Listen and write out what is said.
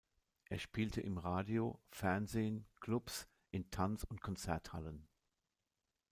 Er spielte im Radio, Fernsehen, Clubs, in Tanz- und Konzerthallen.